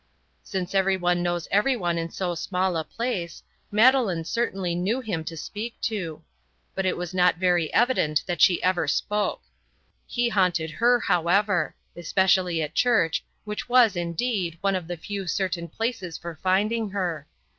Since everyone knows everyone in so small a place, Madeleine certainly knew him to speak to; but it is not very evident that she ever spoke. He haunted her, however; especially at church, which was, indeed, one of the few certain places for finding her.